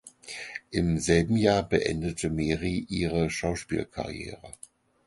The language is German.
Im selben Jahr beendete Meri ihre Schauspielkarriere.